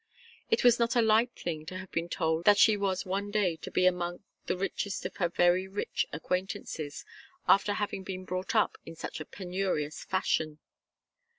It was not a light thing to have been told that she was one day to be among the richest of her very rich acquaintances, after having been brought up in such a penurious fashion.